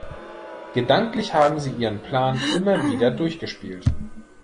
Gedanklich haben sie ihren Plan immer wieder durchgespielt.